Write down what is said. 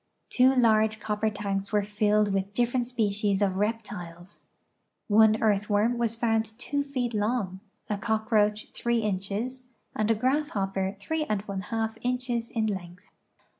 Two large copper tanks were filled with different species of reptiles. One earthworm was found two feet long, a cockroach three inches, and a grasshopper three and one half inches in length.